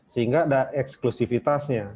sehingga ada eksklusifitasnya